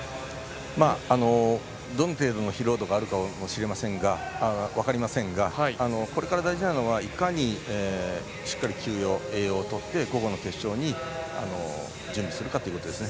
どの程度の疲労度があるか分かりませんがこれから大事なのはいかにしっかり休養、栄養をとって午後の決勝に準備するかですね。